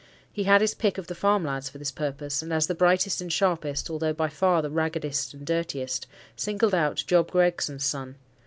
He had his pick of the farm lads for this purpose; and, as the brightest and sharpest, although by far the raggedest and dirtiest, singled out Job Gregson's son.